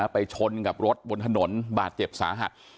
ไปชนกับรถบนถนนบาดเจ็บสาหัส